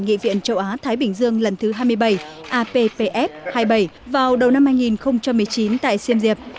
nghị viện châu á thái bình dương lần thứ hai mươi bảy apps hai mươi bảy vào đầu năm hai nghìn một mươi chín tại siem diệp